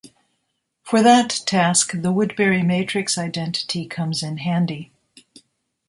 For that task the Woodbury matrix identity comes in handy.